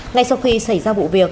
ngay sau khi xảy ra vụ việc